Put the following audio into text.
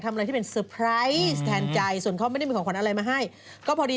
คุณไม่มีไงคุณก็เข้ามาหลอกคุณแล้วเขาก็ไป